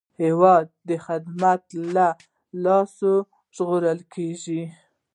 هېواد د خدمت له لاسه ژغورل کېږي.